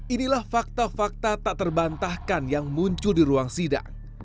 inilah fakta fakta tak terbantahkan yang muncul di ruang sidang